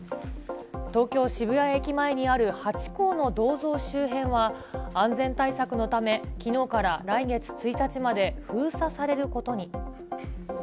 東京・渋谷駅前にあるハチ公の銅像周辺は、安全対策のため、きのうから来月１日まで、封鎖されることに。